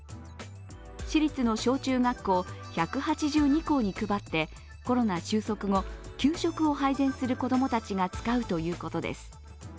市立の小中学校１８２校に配ってコロナ収束後、給食を配膳する子供たちが使うということです。